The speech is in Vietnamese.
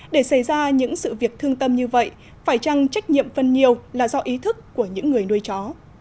để xảy ra những sự việc thương tâm như vậy phải chăng trách nhiệm phân nhiều là do ý thức của những người nuôi chó